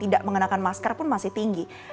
tidak mengenakan masker pun masih tinggi